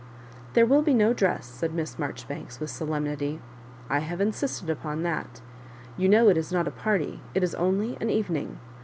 "There will be no dress, said Miss Marjori banks, with solemnity. "I have insisted upon that. You know it is not a party, it is only an Evening.